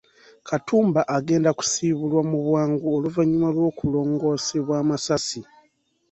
Katumba agenda kusiibulwa mu bwangu oluvannyuma lw’okulongoosebwamu amasasi.